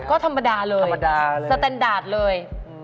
ก็ธรรมดาเลยธรรมดาเลยสเตนดาร์ดเลย